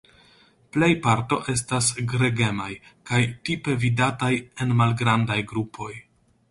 Plej parto estas gregemaj kaj tipe vidataj en malgrandaj grupoj.